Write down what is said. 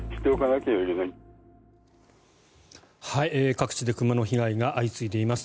各地で熊の被害が相次いでいます。